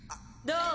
どう？